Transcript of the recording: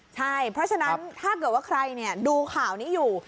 ใช่เพราะฉะนั้นถ้าเกิดว่าใครดูข่าวนี้อยู่